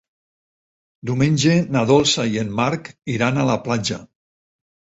Diumenge na Dolça i en Marc iran a la platja.